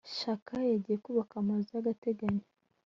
shaka yagiye kubaka amazu y'agateganyo